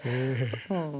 うん。